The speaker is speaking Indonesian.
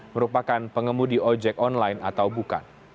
merupakan pengemudi ojek online atau bukan